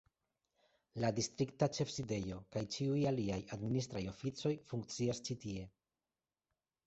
La distrikta ĉefsidejo kaj ĉiuj aliaj administraj oficoj funkcias ĉi tie.